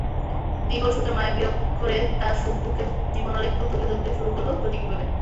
দীঘল সুতার মায়াবী অক্ষরে তার সুখ-দুঃখের জীবনালেখ্য তুলে ধরতে শুরু করল প্রতীকীভাবে।